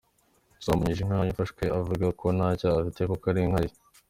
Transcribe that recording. Yasambanyije inka afashwe avuga ko nta cyaha afite kuko ari inka ‘ye’